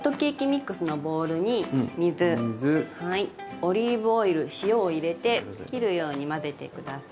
オリーブオイル塩を入れて切るように混ぜて下さい。